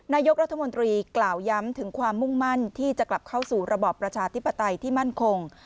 นายกรัฐมนตรีกล่าวย้ำถึงความมุ่งมั่นที่จะกลับเข้าสู่ระบอบประชาธิปไตยที่มั่นคง